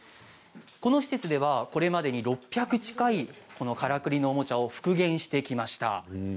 この施設ではこれまで６００近いからくりのおもちゃを復元していきました。